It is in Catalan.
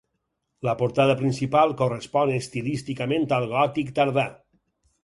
La portada principal correspon estilísticament al gòtic tardà.